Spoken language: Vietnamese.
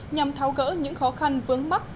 nhằm tháo gỡ những khó khăn vướng mắt